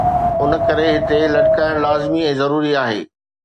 ان ڪري هتي لٽڪائڻ لازمي ۽ ضروري آهي.